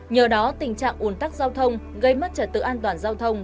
nhờ đó tình trạng ồn tắc giao thông gây mất trở tự an toàn giao thông